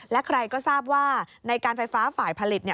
และใครก็ทราบว่าในการไฟฟ้าฝ่ายผลิต